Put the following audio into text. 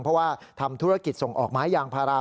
เพราะว่าทำธุรกิจส่งออกไม้ยางพารา